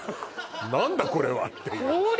何だこれは？って氷？